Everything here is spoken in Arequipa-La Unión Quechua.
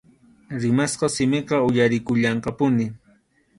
Rimasqa simiqa uyarikullanqapuni.